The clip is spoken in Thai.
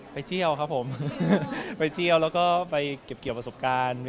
ไปเที่ยวครับผมไปเที่ยวแล้วก็ไปเก็บเกี่ยวประสบการณ์